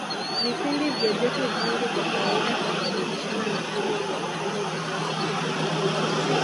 Vipindi vya joto jingi kwa kawaida hubadilishana na vile vya baridi na joto